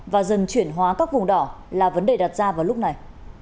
và dần chuyển hóa các vùng đỏ là vấn đề đặt ra vào lúc này